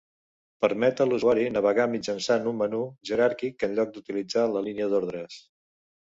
Permet a l'usuari navegar mitjançant un menú jeràrquic en lloc d'utilitzar la línia d'ordres.